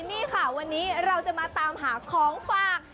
นี่ค่ะวันนี้เราจะมาตามหาของฝาก